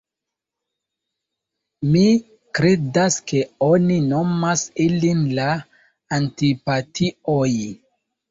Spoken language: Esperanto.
Mi kredas ke oni nomas ilin la Antipatioj.